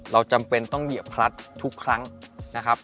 จำเป็นต้องเหยียบพลัดทุกครั้งนะครับ